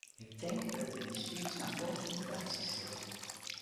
Ik tink dat ik myn speech mar bot ynkoartsje sil.